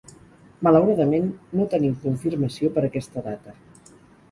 Malauradament, no tenim confirmació per aquesta data.